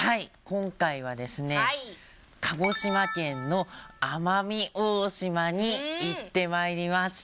今回はですね鹿児島県の奄美大島に行ってまいりました。